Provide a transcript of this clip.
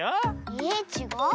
えっちがう？